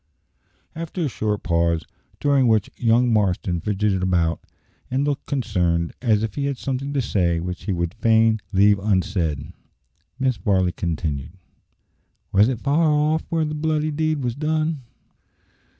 After a short pause, during which young Marston fidgeted about and looked concerned, as if he had something to say which he would fain leave unsaid, Mrs. Varley continued, "Was it far off where the bloody deed was done?"